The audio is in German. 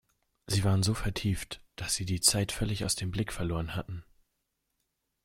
Sie waren so vertieft, dass sie die Zeit völlig aus dem Blick verloren hatten.